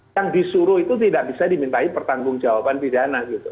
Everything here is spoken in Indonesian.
yang disuruh itu tidak bisa dimintai pertanggung jawaban pidana gitu